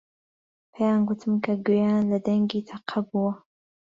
پێیان گوتم کە گوێیان لە دەنگی تەقە بووە.